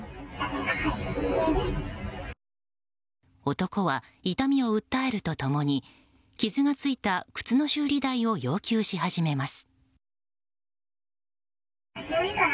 男は痛みを訴えると共に傷がついた靴の修理代を要求し始めます。